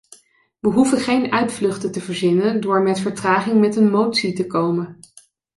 We hoeven geen uitvluchten te verzinnen door met vertraging met een motie te komen.